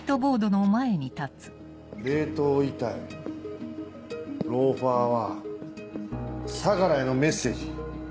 冷凍遺体ローファーは相良へのメッセージ。